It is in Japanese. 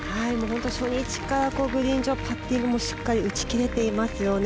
初日からグリーン上、パッティングをしっかり打ち切れていますよね。